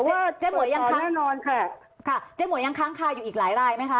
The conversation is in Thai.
เจ๊หมวยยังค้างแน่นอนค่ะค่ะเจ๊หวยยังค้างคาอยู่อีกหลายรายไหมคะ